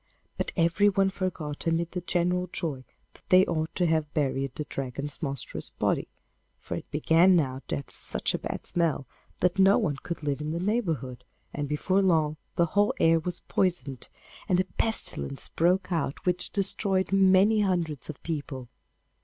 But everyone forgot amid the general joy that they ought to have buried the Dragon's monstrous body, for it began now to have such a bad smell that no one could live in the neighbourhood, and before long the whole air was poisoned, and a pestilence broke out which destroyed many hundreds of people.